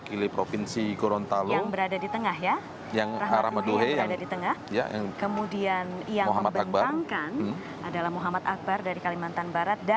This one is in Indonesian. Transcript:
keinginan kita juga akan berselembab